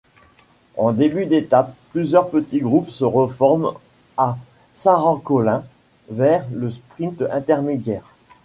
En début d'étape, plusieurs petits groupes se reforment à Sarrancolin vers le sprint intermédiaire.